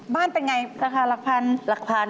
บ้านเป็นอย่างไรราคาหลักพันธุ์